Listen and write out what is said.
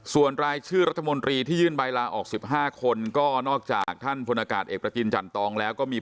ส่วนรายชื่อรัฐมนตรีที่ยื่นใบลาออก๑๕คนก็นอกจากท่านพลอากาศเอกประจินจันตองแล้วก็มี